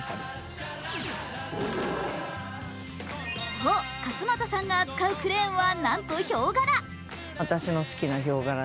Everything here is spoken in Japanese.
そう勝又さんが扱うクレーンはなんとヒョウ柄。